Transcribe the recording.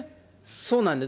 そうなんです。